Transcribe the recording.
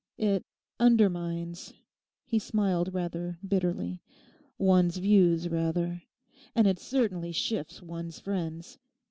It undermines,' he smiled rather bitterly, 'one's views rather. And it certainly shifts one's friends.